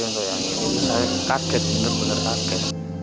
untuk yang ini saya kaget bener bener kaget